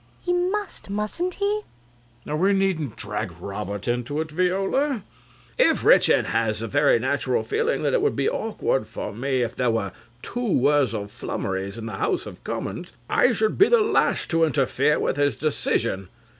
He must, mustn't he? RICHARD. We needn't drag Robert into it, Viola. CRAWSHAW. If Richard has the very natural feeling that it would be awkward for me if there were two Wurzel Flummerys in the House of Commons, I should be the last to interfere with his decision.